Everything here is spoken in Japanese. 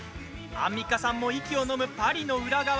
アンミカさんも息をのむパリの裏側。